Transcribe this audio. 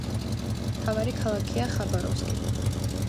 მთავარი ქალაქია ხაბაროვსკი.